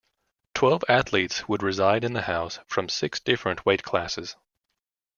Twelve athletes would reside in the house from six different weight classes.